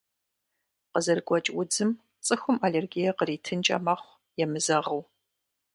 Къызэрыгуэкӏ удзым цӏыхум аллергие къритынкӏэ мэхъу, емызэгъыу.